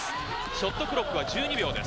ショットクロックは１２秒です。